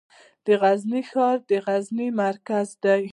د غزني ښار د غزني مرکز دی